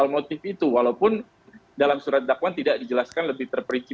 motif itu walaupun dalam surat dakwaan tidak dijelaskan lebih terperici